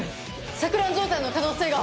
錯乱状態の可能性が。